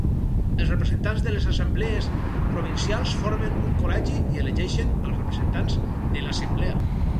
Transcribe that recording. Els representants de les assemblees provincials formen un col·legi i elegeixen als representants de l'Assemblea.